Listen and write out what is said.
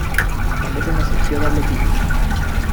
També té una secció d'atletisme.